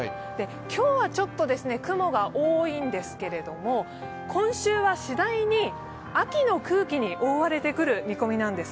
今日はちょっと雲が多いんですけれども今週は次第に秋の空気に覆われてくる見込みなんです。